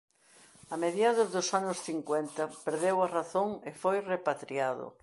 A mediados dos anos cincuenta perdeu a razón e foi repatriado.